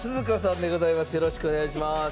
よろしくお願いします。